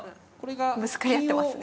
ぶつかり合ってますね。